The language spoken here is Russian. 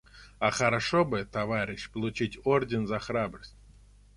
А хорошо бы, товарищ, получить орден за храбрость.